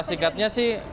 cara singkatnya sih